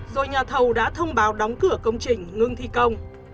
rồi nhà thầu đã thông báo đóng cửa công trình ngưng thi công